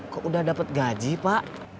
kok udah dapat gaji pak